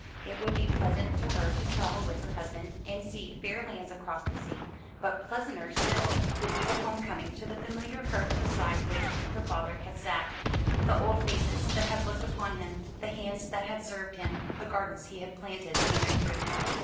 It would be pleasant to her to travel with her husband, and see fair lands across the sea: but pleasanter still would be the home coming to the familiar hearth beside which her father had sat, the old faces that had looked upon him, the hands that had served him, the gardens he had planted and improved.